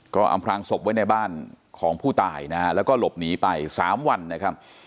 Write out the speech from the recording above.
ก็อำพลางศพไว้ในบ้านของผู้ตายนะฮะแล้วก็หลบหนีไปสามวันนะครับ